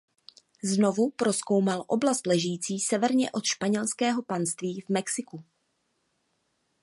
Znovu prozkoumal oblast ležící severně od španělského panství v Mexiku.